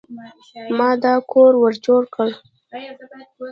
ما د کور ور جوړ کړ.